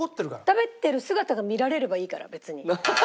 食べてる姿が見られればいいから別に。